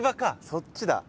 そっちだ。